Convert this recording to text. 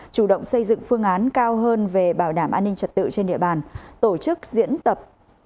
chủ động xây dựng phương án cao hơn về bảo đảm an ninh trật tự trên địa bàn tổ chức diễn tập